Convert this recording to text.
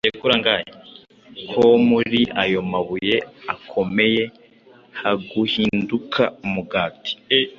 Ko muri ayo mabuye akomeye haguhinduka umugati